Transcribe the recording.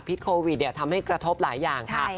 โควิดทำให้กระทบหลายอย่างค่ะ